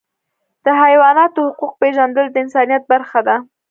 د حیواناتو حقوق پیژندل د انسانیت برخه ده.